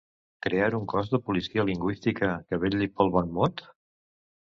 ¿Crear un cos de policia lingüística que vetlli pel bon mot?